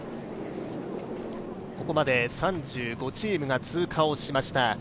ここまで３５チームが通過をしました。